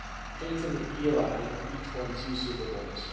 Peyton and Eli have each won two Super Bowls.